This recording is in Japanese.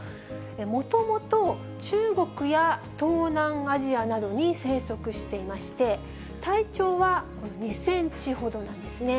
もともと、中国や東南アジアなどに生息していまして、体長は２センチほどなんですね。